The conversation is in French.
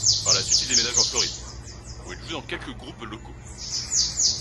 Par la suite, il déménage en Floride où il joue dans quelques groupes locaux.